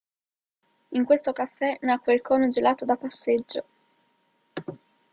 In questo caffè nacque il cono gelato da passeggio.